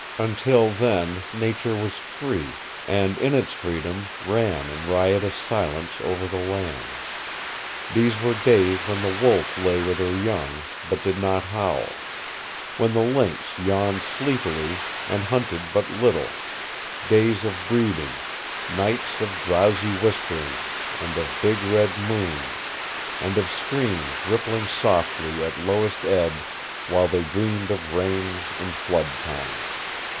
Until then nature was free, and in its freedom ran in riotous silence over the land. These were days when the wolf lay with her young, but did not howl; when the lynx yawned sleepily, and hunted but little days of breeding, nights of drowsy whisperings, and of big red moons, and of streams rippling softly at lowest ebb while they dreamed of rains and flood time.